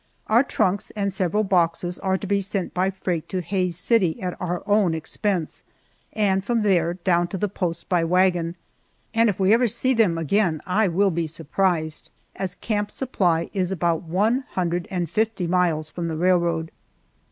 Our trunks and several boxes are to be sent by freight to Hays City at our own expense, and from there down to the post by wagon, and if we ever see them again I will be surprised, as Camp Supply is about one hundred and fifty miles from the railroad.